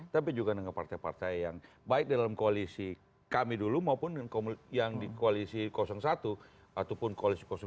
tapi juga dengan partai partai yang baik dalam koalisi kami dulu maupun yang di koalisi satu ataupun koalisi dua